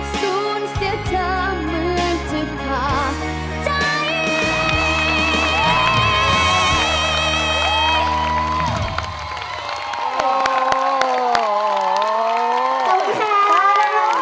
สูญเสียจากมือเจอขาดใจ